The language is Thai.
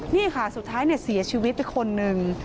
นี่ค่ะสุดท้ายเสียชีวิตไปคนหนึ่ง